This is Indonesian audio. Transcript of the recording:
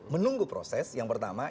menunggu proses yang pertama